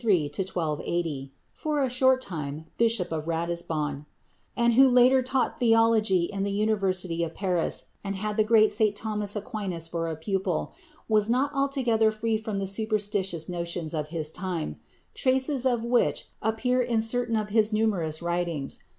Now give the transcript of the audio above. ] The renowned medieval philosopher and theologian, Albertus Magnus (1193 1280), for a short time Bishop of Ratisbon, and who later taught theology in the University of Paris and had the great St. Thomas Aquinas for a pupil, was not altogether free from the superstitious notions of his time, traces of which appear in certain of his numerous writings.